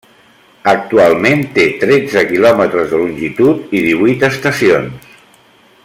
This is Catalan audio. Actualment té tretze quilòmetres de longitud i divuit estacions.